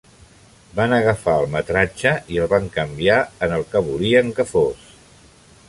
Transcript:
Van agafar el metratge i el van canviar en el que volien que fos.